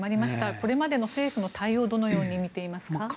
これまでの政府の対応をどのように見ていますか？